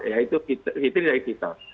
yaitu fitri dari fitar